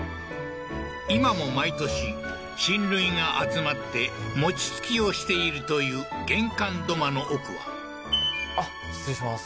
今も毎年親類が集まって餅つきをしているという玄関土間の奥はあっ失礼します